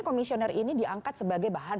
komisioner ini diangkat sebagai bahan